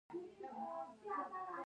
د پکتیکا په سروضه کې د کرومایټ نښې شته.